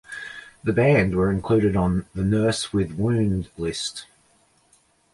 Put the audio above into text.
The band were included on the Nurse With Wound list.